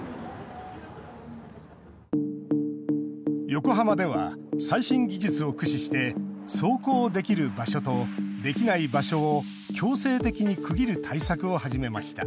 横浜では最新技術を駆使して走行できる場所とできない場所を強制的に区切る対策を始めました。